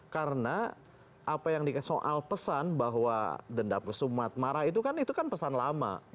karena soal pesan bahwa dendam ke sumat marah itu kan pesan lama